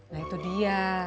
nah itu dia